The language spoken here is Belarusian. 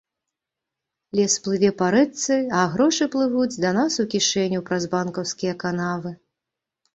Лес плыве па рэчцы, а грошы плывуць да нас у кішэню праз банкаўскія канавы.